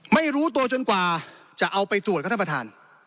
ไม่รู้ตัวจนกว่าจะเอาไปตรวจครับท่านประธาน